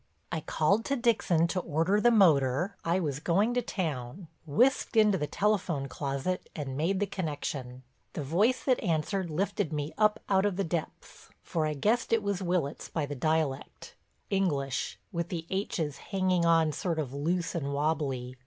I called to Dixon to order the motor—I was going to town—whisked into the telephone closet, and made the connection. The voice that answered lifted me up out of the depths—for I guessed it was Willitts by the dialect, English, with the "H's" hanging on sort of loose and wobbly.